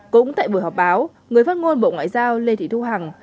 cũng tại buổi họp báo người phát ngôn bộ ngoại giao lê thị thu hằng